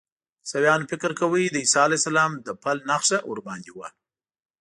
عیسویانو فکر کاوه د عیسی علیه السلام د پل نښه ورباندې وه.